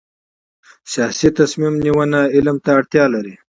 سیاسي تصمیم نیونه علم ته اړتیا لري